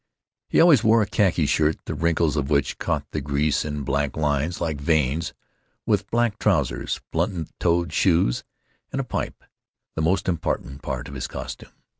He always wore a khaki shirt—the wrinkles of which caught the grease in black lines, like veins—with black trousers, blunt toed shoes, and a pipe, the most important part of his costume.